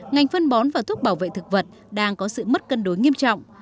ngành phân bón và thuốc bảo vệ thực vật đang có sự mất cân đối nghiêm trọng